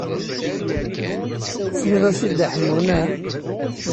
Teslid-as i Dda Ḥemmu, naɣ?